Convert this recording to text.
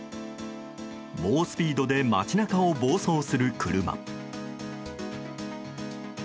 猛スピードで街中を暴走する車。